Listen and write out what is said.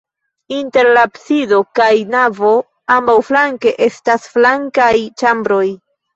Inter la absido kaj navo ambaŭflanke estas flankaj ĉambroj.